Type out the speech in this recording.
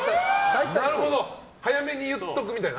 早めに言っておくみたいな。